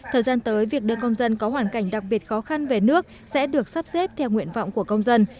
thời gian tới việc đưa công dân có hoàn cảnh đặc biệt khó khăn về nước sẽ được sắp xếp theo nguyện vọng của công dân